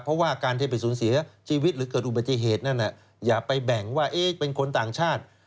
เพราะว่าการที่ไปสูญเสียชีวิตหรือเกิดอุบัติเหตุนั่นอย่าไปแบ่งว่าเป็นคนต่างชาติ